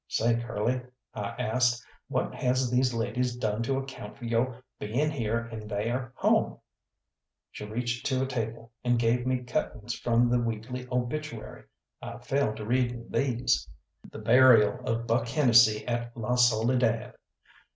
"Say, Curly," I asked, "what has these ladies done to account for yo' being here in theyr home?" She reached to a table, and gave me cuttings from the Weekly Obituary. I fell to reading these: The burial of Buck Hennesy at La Soledad.